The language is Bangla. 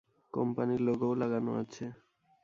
কোম্পানির লোগোও লাগানো আছে।